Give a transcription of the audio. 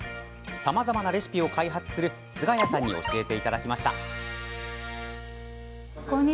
さまざまなレシピを開発する菅谷さんに教えていただきました。